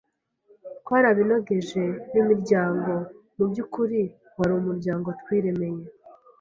Twarabinogeje n’imiryango, mu by’ukuri wari umuryango twiremeye